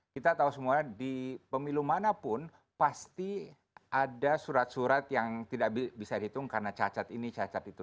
kita tahu semua di pemilu manapun pasti ada surat surat yang tidak bisa dihitung karena cacat ini cacat itu